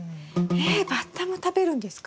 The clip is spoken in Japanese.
えっバッタも食べるんですか？